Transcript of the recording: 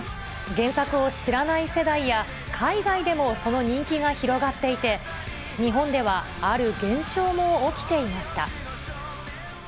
原作を知らない世代や、海外でもその人気が広がっていて、日本ではある現象も起きていまし